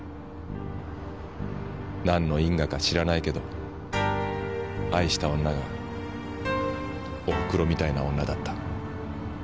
何の因果か知らないけど愛した女がおふくろみたいな女だった。